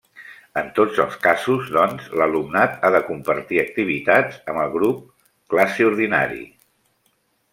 En tots els casos, doncs, l'alumnat ha de compartir activitats amb el grup classe ordinari.